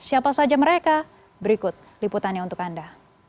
siapa saja mereka berikut liputannya untuk anda